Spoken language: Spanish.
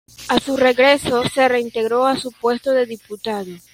A su regreso, se reintegró a su puesto de diputado.